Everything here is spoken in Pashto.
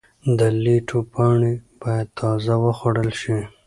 د لیټو پاڼې باید تازه وخوړل شي.